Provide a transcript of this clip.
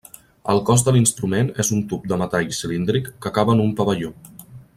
El cos de l'instrument és un tub de metall cilíndric que acaba en un pavelló.